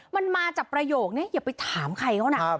มันมาจากประโยคนี้อย่าไปถามใครเขานะ